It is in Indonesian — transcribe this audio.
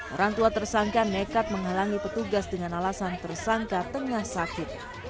orang tua tersangka nekat menghalangi petugas dengan alasan tersangka tengah sakit